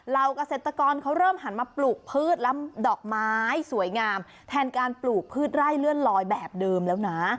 เกษตรกรเขาเริ่มหันมาปลูกพืชและดอกไม้สวยงามแทนการปลูกพืชไร่เลื่อนลอยแบบเดิมแล้วนะ